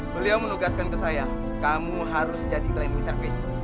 beliau menugaskan ke saya kamu harus jadi pembantu pelayanan